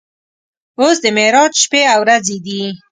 اوس د معراج شپې او ورځې دي.